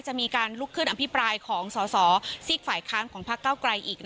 ให้มีการลุกขึ้นอัมพิปรายของสอสอสิกฝ่ายค้ำของพระเก้าไกร